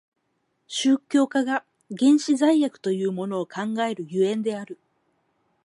宗教家が原始罪悪というものを考える所以である。